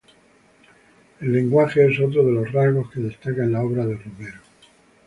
El lenguaje es otro de los rasgos que destaca en la obra de Romero.